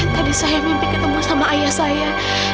tadi saya mimpi ketemu sama ayah saya